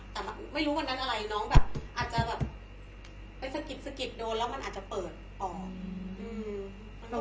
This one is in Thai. แต่ไม่รู้วันนั้นอะไรน้องแบบอาจจะแบบไปสะกิดสะกิดโดนแล้วมันอาจจะเปิดออก